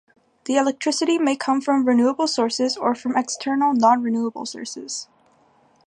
The electricity may come from renewable sources or from external non-renewable sources.